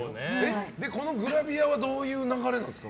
このグラビアはどういう流れなんですか？